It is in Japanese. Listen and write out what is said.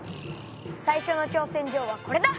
最初の挑戦状はこれだ！